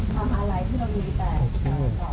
เพราะเราได้คิดตั้งแต่แรกอยู่แล้วว่า